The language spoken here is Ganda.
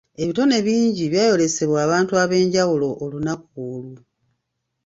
Ebitone bingi byayolesebwa abantu ab'enjawulo olunaku olwo.